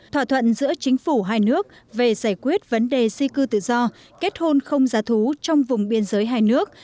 thỏa thuận giữa chính phủ hai nước về giải quyết vấn đề di cư tự do kết hôn không giá thú trong vùng biên giới hai nước